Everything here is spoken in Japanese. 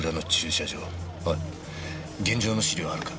おい現場の資料あるか？